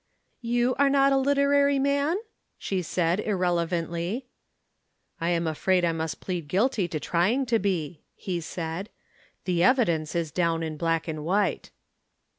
"You are not a literary man?" she said irrelevantly. "I am afraid I must plead guilty to trying to be," he said. "The evidence is down in black and white."